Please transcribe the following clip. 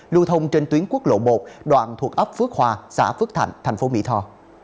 lưu thông trên tuyến quốc lộ một đoạn thuộc ấp phước hòa xã phước thạnh thành phố mỹ tho